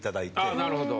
あなるほど。